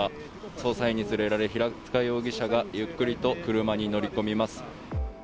捜査員に連れられ、平塚容疑者がゆっくりと車に乗り込みます。